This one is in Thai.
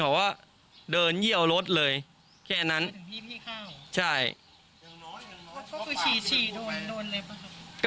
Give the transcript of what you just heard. เราก็คือฉี่โดนเลยขนาดไหนครับ